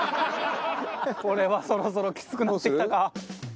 これはそろそろきつくなってきたか？